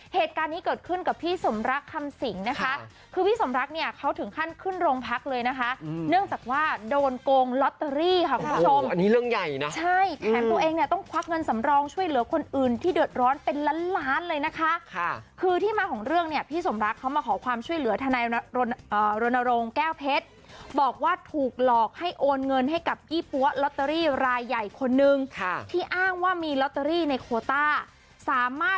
เหตุการณ์นี้เกิดขึ้นกับพี่สมรักษณ์คำสิงนะคะคือพี่สมรักษณ์เนี่ยเขาถึงขั้นขึ้นโรงพักเลยนะคะเนื่องจากว่าโดนโกงลอตเตอรี่ของผู้ชมอันนี้เรื่องใหญ่นะใช่แถมตัวเองเนี่ยต้องควักเงินสำรองช่วยเหลือคนอื่นที่เดือดร้อนเป็นล้านเลยนะคะค่ะคือที่มาของเรื่องเนี่ยพี่สมรักษณ์เขามาขอความช่วยเหลือธนาร